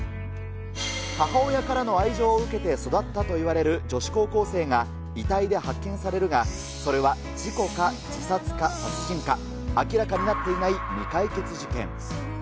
母親からの愛情を受けて育ったといわれる女子高校生が遺体で発見されるが、それは事故か自殺か殺人か、明らかになっていない未解決事件。